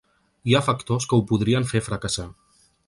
Hi ha factors que ho podrien fer fracassar.